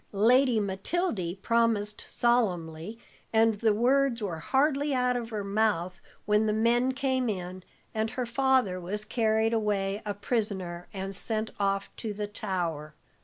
Lady Matildy promised solemnly, and the words were hardly out of her mouth when the men came in, and her father was carried away a prisoner and sent off to the Tower.